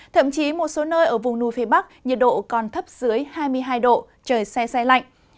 thậm chí một số nơi ở vùng núi phía bắc nhiệt độ còn thấp dưới hai mươi hai độ trời xe xe lạnh